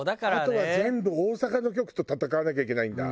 あとは全部大阪の局と戦わなきゃいけないんだ。